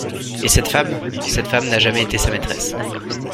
Et cette femme ? Cette femme n'a jamais été sa maîtresse.